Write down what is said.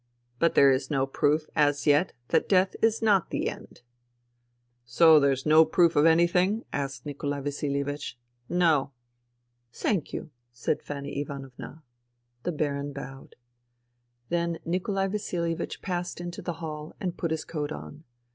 But there is no proof, as yet, that death is not the end." " So there is no proof of anything ?" asked Nikolai VasiHevich. " No." " Thank you," said Fanny Ivanovna. The Baron bowed. Then Nikolai VasiHevich passed into the hall and put his coat on.